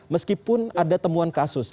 meskipun ada temuan kasus